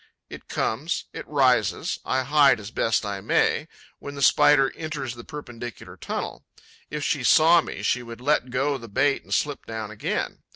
It comes, it rises. I hide as best I may, when the Spider enters the perpendicular tunnel: if she saw me, she would let go the bait and slip down again.